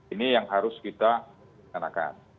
ini yang harus kita kenakan